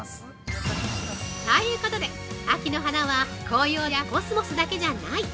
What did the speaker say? ◆ということで、秋の花は紅葉やコスモスだけじゃない！